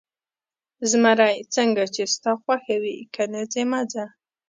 زمري: څنګه چې ستا خوښه وي، که نه ځې، مه ځه.